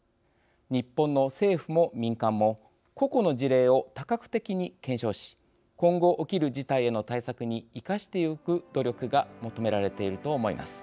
日本の政府も民間も個々の事例を多角的に検証し今後起きる事態への対策に生かしてゆく努力が求められていると思います。